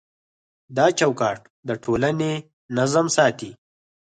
دا چوکاټ د ټولنې نظم ساتي.